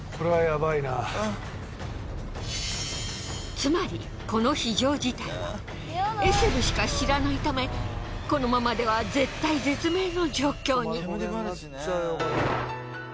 つまりこの非常事態はエセルしか知らないためこのままでは絶体絶命の状況に。